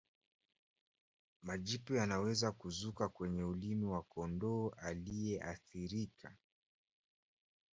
Majipu yanaweza kuzuka kwenye ulimi wa kondoo aliyeathirika